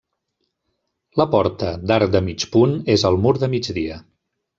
La porta, d'arc de mig punt, és al mur de migdia.